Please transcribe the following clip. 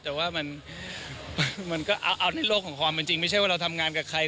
แต่ว่ามันก็เอาในโลกของความเป็นจริงไม่ใช่ว่าเราทำงานกับใคร